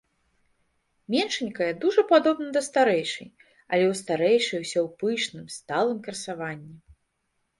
Меншанькая дужа падобна да старэйшай, але ў старэйшай усё ў пышным, сталым красаванні.